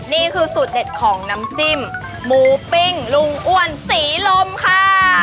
นี่คือสูตรเด็ดของน้ำจิ้มหมูปิ้งลุงอ้วนศรีลมค่ะ